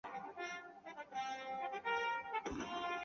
伊登镇区为美国堪萨斯州索姆奈县辖下的镇区。